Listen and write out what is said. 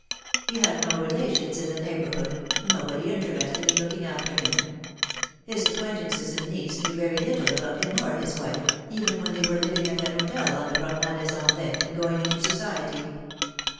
He had no relations in the neighbourhood, nobody interested in looking after him Hiq acquaintances in Nice knew very little about him or his wife, even when they were living at an hotel on the Promenade des Anglais and going into society.